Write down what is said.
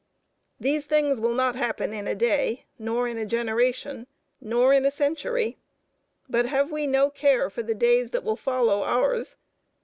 These things will not happen in a day, nor in a generation, nor in a century, but have we no care for the days that will follow ours?